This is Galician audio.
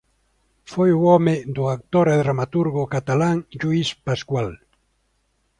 Foi o home do actor e dramaturgo catalán Lluís Pasqual.